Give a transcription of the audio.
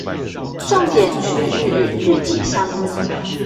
重點區域與具體項目